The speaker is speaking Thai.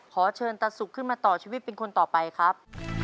ขอเชิญตาสุกขึ้นมาต่อชีวิตเป็นคนต่อไปครับ